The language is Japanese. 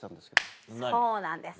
そうなんです